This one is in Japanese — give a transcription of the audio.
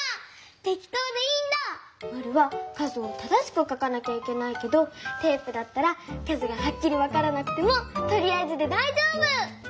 丸は数を正しく書かなきゃいけないけどテープだったら数がはっきりわからなくてもとりあえずでだいじょうぶ！